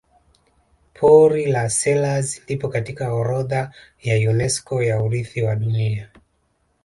pori la selous lipo katika orodha ya unesco ya urithi wa dunia